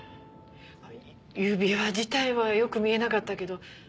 指輪自体はよく見えなかったけど。